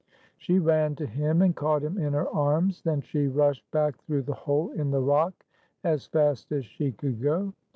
She ran to him, and caught him in her arms. Then she rushed back through the hole in the rock as fast as she could go.